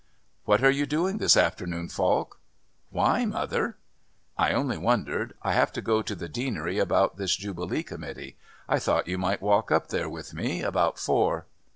"What are you doing this afternoon, Falk?" "Why, mother?" "I only wondered. I have to go to the Deanery about this Jubilee committee. I thought you might walk up there with me. About four."